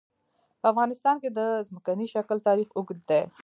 په افغانستان کې د ځمکنی شکل تاریخ اوږد دی.